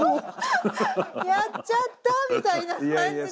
「やっちゃった！」みたいな感じで。